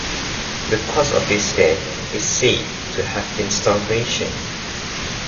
The cause of his death is said to have been starvation.